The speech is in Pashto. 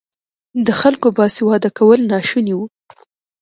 د خلکو باسواده کول ناشوني وو.